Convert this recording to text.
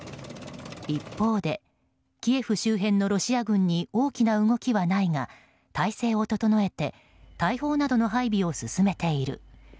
一方で、キエフ周辺のロシア軍に大きな動きはないが体制を整えて大砲などの配備を進めている。